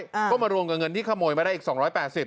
อ่าก็มารวมกับเงินที่ขโมยมาได้อีกสองร้อยแปดสิบ